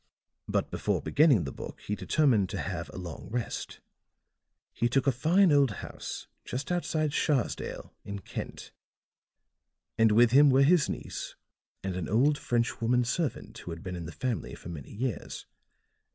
"But before beginning the book he determined to have a long rest; he took a fine old house, just outside Sharsdale, in Kent; and with him were his niece and an old French woman servant who had been in the family for many years.